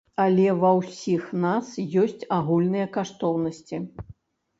Але ва ўсіх нас ёсць агульныя каштоўнасці.